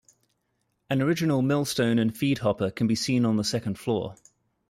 An original millstone and feed hopper can be seen on the second floor.